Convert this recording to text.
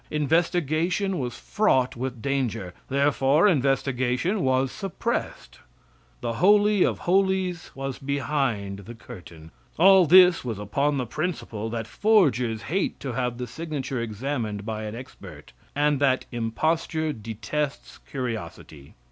Investigation was fraught with danger; therefore investigation was suppressed. The holy of holies was behind the curtain. All this was upon the principle that forgers hate to have the signature examined by an expert, and that imposture detests curiosity.